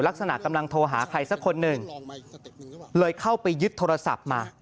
กำลังโทรหาใครสักคนหนึ่งเลยเข้าไปยึดโทรศัพท์มา